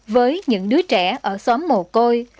với những đứa trẻ ở xóm mù côi